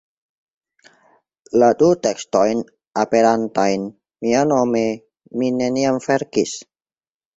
La du tekstojn aperantajn mianome mi neniam verkis!